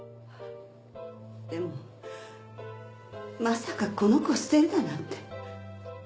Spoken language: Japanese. でもまさかこの子捨てるだなんて。